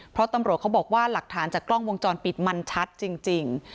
เพราะตำรวจเขาบอกว่าหลักฐานจากกล้องวงจรปิดมันชัดจริง